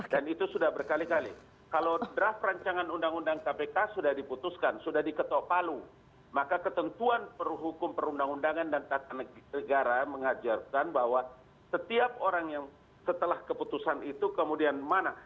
dan itu sudah berkali kali kalau draft rancangan undang undang kpk sudah diputuskan sudah diketopalu maka ketentuan perhukum perundang undangan dan takanegara mengajarkan bahwa setiap orang yang setelah keputusan itu kemudian mana